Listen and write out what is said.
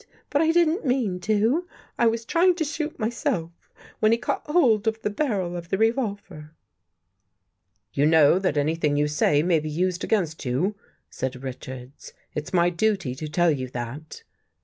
" But I didn't mean to. I was trying to shoot myself, when he caught hold of the barrel of the revolver." You know that anything you say may be used against you? " said Richards. " It's my duty to tell you that."